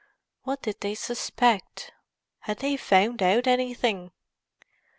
What did they suspect? Had they found out anything?